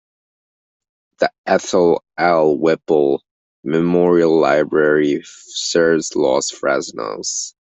The Ethel L. Whipple Memorial Library serves Los Fresnos.